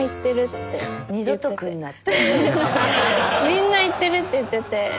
みんな行ってるって言ってて。